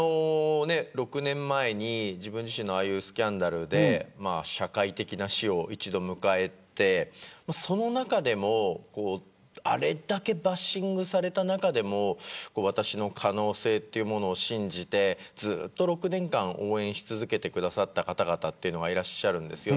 ６年前に自分自身のスキャンダルで社会的な死を一度迎えてあれだけバッシングされた中でも私の可能性というものを信じて６年間応援し続けてくださった方々がいらっしゃるんです。